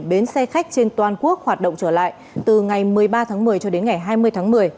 bến xe khách trên toàn quốc hoạt động trở lại từ ngày một mươi ba tháng một mươi cho đến ngày hai mươi tháng một mươi